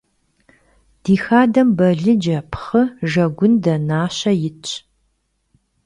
Di xadem balıce, pxhı, jjegunde, naşe yitş.